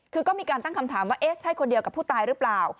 คือก็มีการตั้งคำถามว่าเอ๊ะใช่คนเดียวกับผู้ตายหรือเปล่า